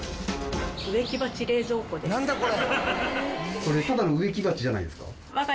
これただの植木鉢じゃないですか？